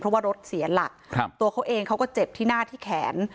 เพราะว่ารถเสียหลักตัวเขาเองเขาก็เจ็บที่หน้าที่แขน